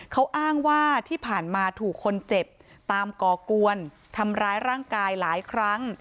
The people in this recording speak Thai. เขาอ้างว่าที่ผ่านมาถูกคนเจ็บตามก่อกวนทำร้ายร่างกายหลายครั้ง